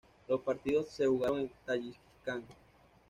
Los partidos se jugaron en Tayikistán.